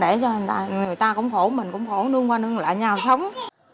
nên người ta cũng khổ mình cũng khổ nương qua nương lại nhau sống